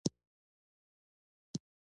د هېواد مرکز د افغان ماشومانو د زده کړې موضوع ده.